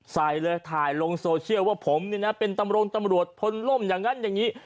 ใส่เลยถ่ายลงโซเชียลว่าผมนี่นะเป็นตำรวจพลล่มอย่างนั้นอย่างนี้